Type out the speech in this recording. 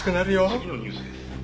「次のニュースです」